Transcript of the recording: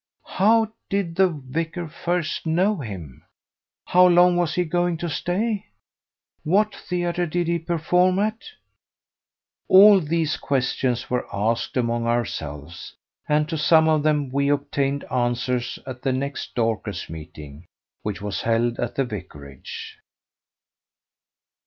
How did the vicar first know him? How long was he going to stay? What theatre did he perform at? All these questions were asked among ourselves, and to some of them we obtained answers at the next Dorcas meeting, which was held at the vicarage.